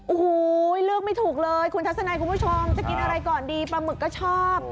โอ้โหเลือกไม่ถูกเลยคุณทัศนัยคุณผู้ชมจะกินอะไรก่อนดีปลาหมึกก็ชอบ